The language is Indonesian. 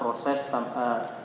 bisa saksi jelaskan bagaimana proses